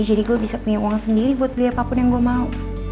jadi gue bisa punya uang sendiri buat beli apapun yang gue mau